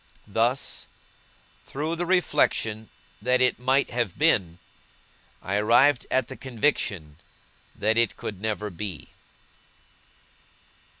Thus, through the reflection that it might have been, I arrived at the conviction that it could never be.